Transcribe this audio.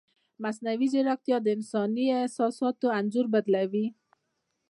مصنوعي ځیرکتیا د انساني احساساتو انځور بدلوي.